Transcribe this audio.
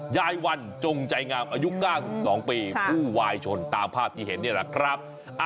ยายวันจงใจงามอายุ๙๒ปีผู้วายชนตามภาพที่เห็นนี่แหละครับ